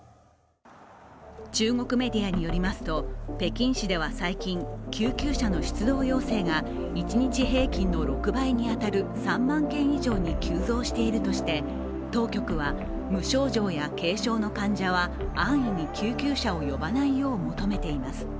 中国メディアによりますと北京市では最近救急車の出動要請が一日平均の６倍に当たる３万件以上に急増しているとして、当局は無症状や軽症の患者は安易に救急車を呼ばないよう求めています。